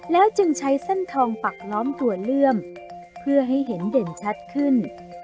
แล้วจึงใช้เส้นทองปักล้อมตัวเลื่อมเพื่อให้เห็นเด่นชัดขึ้น